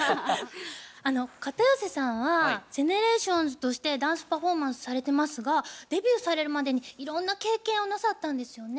片寄さんはＧＥＮＥＲＡＴＩＯＮＳとしてダンスパフォーマンスされてますがデビューされるまでにいろんな経験をなさったんですよね？